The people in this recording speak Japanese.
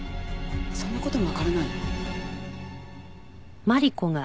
そんな事もわからないの？